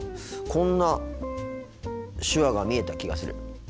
こんな手話が見えた気がする。